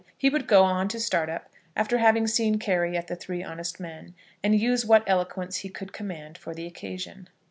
He would go on to Startup after having seen Carry at the Three Honest Men, and use what eloquence he could command for the occasion.